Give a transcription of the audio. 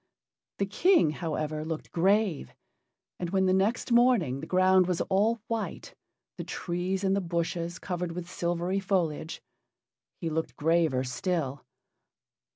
The King, however, looked grave, and when the next morning the ground was all white, the trees and the bushes covered with silvery foliage, he looked graver still.